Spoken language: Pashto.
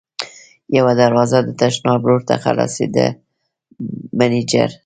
یوه دروازه د تشناب لور ته خلاصېده، مېنېجر.